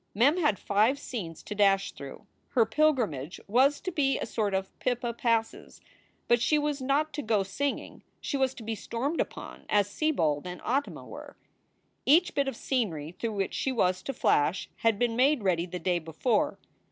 Mem had five scenes to dash through. Her pilgrimage was to be a sort of "Pippa Passes," but she was not to go singing; she was to be stormed upon as Sebald and Ottima were. Each bit of scenery through which she was to flash had been made ready the day before.